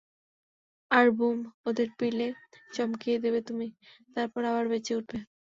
আর boom, ওদের পিলে চমকিয়ে দেবে তুমি, তারপর আবার বেঁচে উঠবে।